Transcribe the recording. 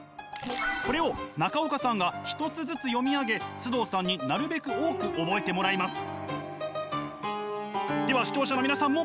これを中岡さんが一つずつ読みあげ須藤さんになるべく多く覚えてもらいます。